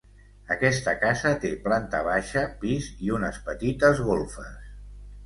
Aquesta casa té planta baixa, pis i unes petites golfes.